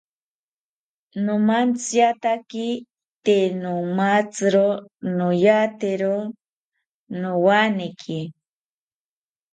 Nomantziatake tee nomatziro noyatero nowaneki